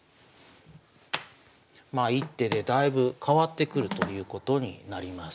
まあ一手でだいぶ変わってくるということになります。